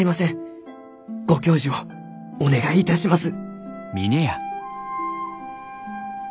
ご教授をお願いいたします」。